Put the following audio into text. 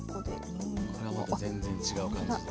これも全然違う感じで。